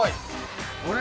これ？